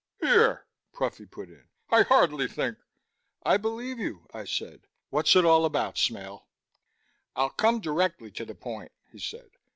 "Here," Pruffy put in. "I hardly think " "I believe you," I said. "What's it all about, Smale?" "I'll come directly to the point," he said.